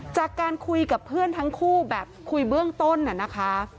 จากการคุยกับเพื่อนทั้งคู่แบบคุยเบื้องต้นน่ะนะคะ